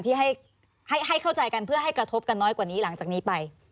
ที่ให้เข้าใจกันเพื่อให้กระทบกันน้อยกว่านี้หลังจากนี้ไป